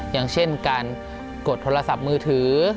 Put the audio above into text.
อย่างเช่นการกดโทรศัพท์มือถือ